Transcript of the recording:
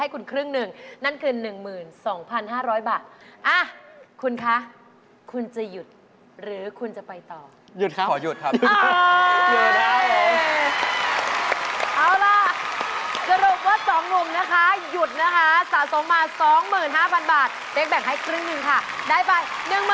คุณคะครับบริกุ่าเห็วอ่ะโปรกติทนความเห็วด้วยนานขนาดไหน